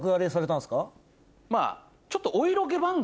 まぁちょっと。